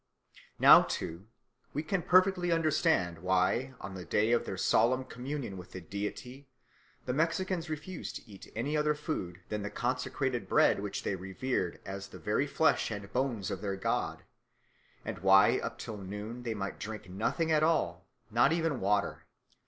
Now, too, we can perfectly understand why on the day of their solemn communion with the deity the Mexicans refused to eat any other food than the consecrated bread which they revered as the very flesh and bones of their God, and why up till noon they might drink nothing at all, not even water.